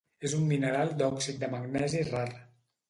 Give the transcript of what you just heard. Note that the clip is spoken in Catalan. És un mineral d'òxid de magnesi rar.